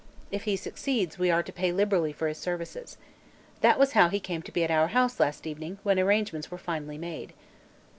If he succeeds, we are to pay liberally for his services. That was how he came to be at our house last evening, when arrangements were finally made."